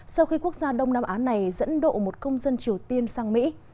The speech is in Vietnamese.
sau khi quốc gia đông nam á này dẫn độ một công dân triều tiên sang mỹ